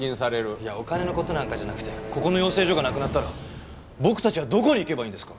いやお金の事なんかじゃなくてここの養成所がなくなったら僕たちはどこに行けばいいんですか？